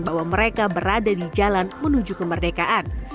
bahwa mereka berada di jalan menuju kemerdekaan